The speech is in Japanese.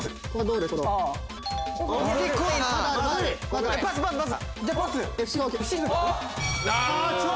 うわ！